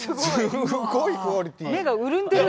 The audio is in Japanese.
すごいクオリティー。